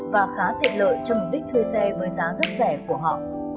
và khá tiện lợi cho mục đích thuê xe với giá rất rẻ của họ